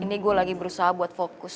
ini gue lagi berusaha buat fokus